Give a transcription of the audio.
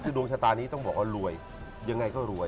คือดวงชะตานี้ต้องบอกว่ารวยยังไงก็รวย